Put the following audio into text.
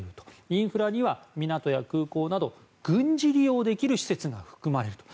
インフラには港や空港など軍事利用できる施設が含まれると。